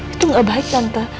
itu ga baik tante